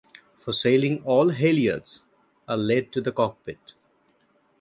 For sailing all halyards are led to the cockpit.